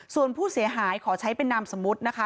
ส่วนผู้เสียหายขอใช้เป็นนามสมมุตินะคะ